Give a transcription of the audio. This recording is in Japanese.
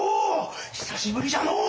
久しぶりじゃのう！